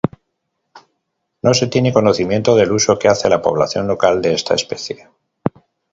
No se tiene conocimiento del uso que hace la población local de esta especie.